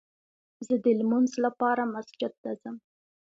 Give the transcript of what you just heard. زه دلمونځ لپاره مسجد ته ځم